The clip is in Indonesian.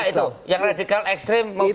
ada nggak itu yang radical ekstrem mau bikin isis